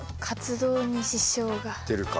出るか。